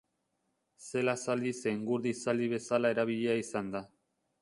Zela zaldi zein gurdi zaldi bezala erabilia izan da.